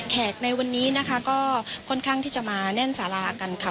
ในวันนี้นะคะก็ค่อนข้างที่จะมาแน่นสารากันค่ะ